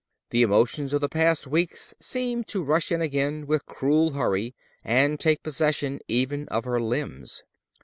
The emotions of the past weeks seemed to rush in again with cruel hurry, and take possession even of her limbs.